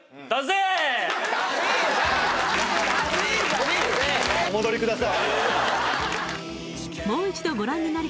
お戻りください